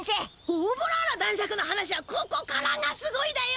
オーボラーラ男爵の話はここからがすごいだよ。